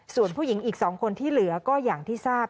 ส่วนผู้หญิงอีก๒คนที่เหลือก็อย่างที่ทราบ